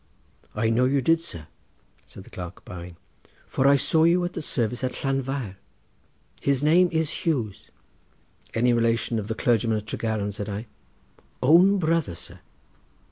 "I know you did, sir," said the clerk bowing, "for I saw you at the service at Llanfair—his name is Hughes." "Any relation of the clergyman at Tregaron?" said I. "Own brother, sir."